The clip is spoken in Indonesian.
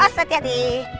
oh setiap di